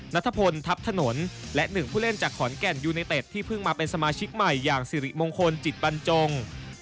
นัทพลทัพถนนและหนึ่งผู้เล่นจากขอนแก่นยูเนเต็ดที่เพิ่งมาเป็นสมาชิกใหม่อย่างสิริมงคลจิตบรรจง